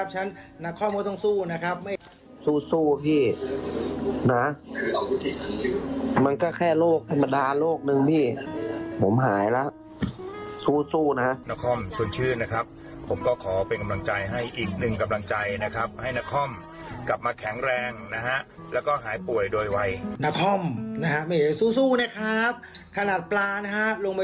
ฉันนาคอมก็ต้องสู้นะครับแม่เอก็ต้องสู้นะครับ